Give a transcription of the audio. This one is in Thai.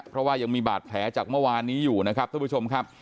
เพราะว่ายังมีบาดแผลจากเมื่อวานนี้อยู่นะครับท่านผู้ชมครับ